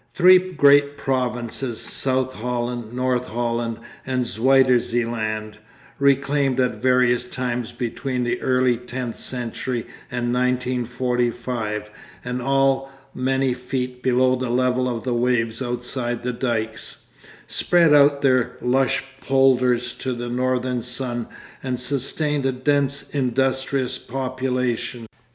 Three great provinces, South Holland, North Holland, and Zuiderzeeland, reclaimed at various times between the early tenth century and 1945 and all many feet below the level of the waves outside the dykes, spread out their lush polders to the northern sun and sustained a dense industrious population.